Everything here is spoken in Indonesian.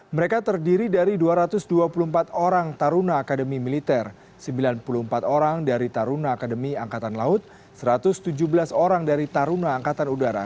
mereka terdiri dari dua ratus dua puluh empat orang taruna akademi militer sembilan puluh empat orang dari taruna akademi angkatan laut satu ratus tujuh belas orang dari taruna angkatan udara